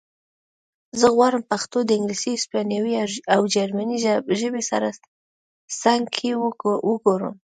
زه غواړم پښتو د انګلیسي هسپانوي او جرمنۍ ژبې سره څنګ کې وګورم